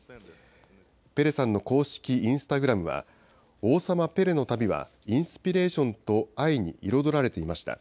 ペレさんの公式インスタグラムは、王様ペレの旅はインスピレーションと愛に彩られていました。